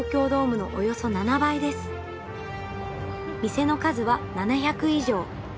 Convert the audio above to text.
店の数は７００以上！